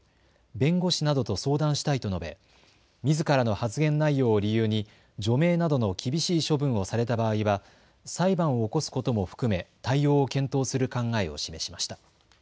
弁護士などと相談したいと述べみずからの発言内容を理由に除名などの厳しい処分をされた場合は裁判を起こすことも含め対応を検討する考えを示しました。